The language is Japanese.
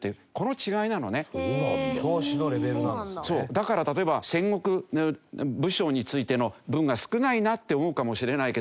だから例えば戦国武将についての文が少ないなって思うかもしれないけど。